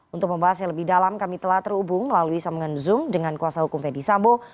untuk membahas yang lebih dalam kami telah terhubung melalui sambungan zoom dengan kuasa hukum fedy sambo